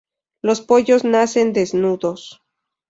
Los pollos nacen desnudos.